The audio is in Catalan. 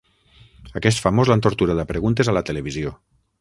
Aquest famós l'han torturat a preguntes a la televisió.